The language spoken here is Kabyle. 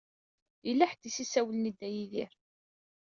Yella ḥedd i s-isawlen i Dda Yidir.